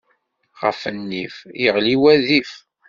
Ɣef nnif, yeɣli wadif.